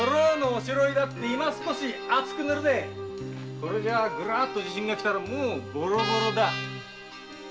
これじゃグラッと地震がきたらボロボロだ。